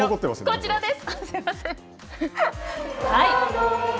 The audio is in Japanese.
こちらです。